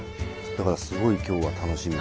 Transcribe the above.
だからすごい今日は楽しみで。